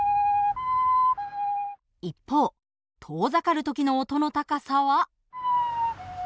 一方遠ざかる時の音の高さは。